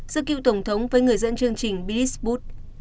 giữa cựu tổng thống với người dẫn chương trình billisboot